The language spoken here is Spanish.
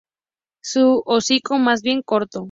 Su hocico más bien corto.